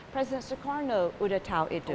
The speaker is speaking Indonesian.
presiden soekarno sudah tahu itu